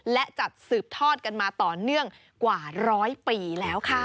และจัดสืบทอดกันมาต่อเนื่องกว่าร้อยปีแล้วค่ะ